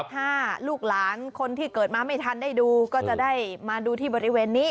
ถ้าลูกหลานคนที่เกิดมาไม่ทันได้ดูก็จะได้มาดูที่บริเวณนี้